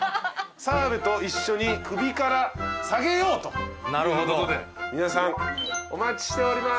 澤部と一緒に首から下げようということで皆さんお待ちしております。